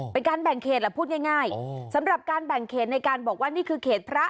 เป็นการแบ่งเขตแหละพูดง่ายสำหรับการแบ่งเขตในการบอกว่านี่คือเขตพระ